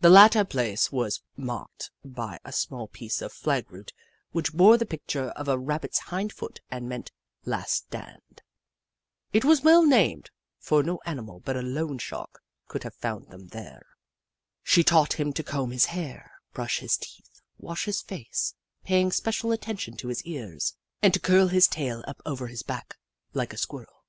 This latter place was marked by a small piece of flag root which bore the picture of a Jenny Ragtail 179 Rabbit's hind foot, and meant " Last Stand." It was well named, for no animal but a loan shark could have found them there. She taught him to comb his hair, brush his teeth, wash his face, paying special attention to his ears, and to curl his tail up over his back, like a Squirrel.